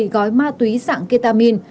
bảy gói ma túy sẵn ketamin